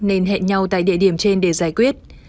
nên hẹn nhau tại địa điểm trên để giải quyết